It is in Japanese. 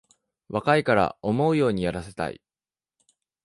若いから思うようにやらせたい